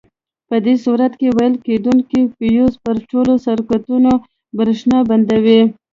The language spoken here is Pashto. په دې صورت کې ویلې کېدونکي فیوز پر ټولو سرکټونو برېښنا بندوي.